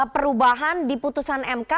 perubahan di putusan mk